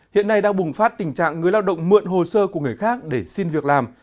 hiện nay đang bùng phát tình trạng người lao động mượn hồ sơ của người khác để xin việc làm